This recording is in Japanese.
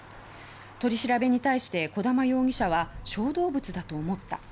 取り調べに対し小玉容疑者は「小動物だと思った」